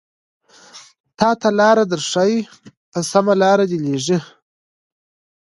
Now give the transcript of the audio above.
تاته لاره درښايې په سمه لاره دې ليږي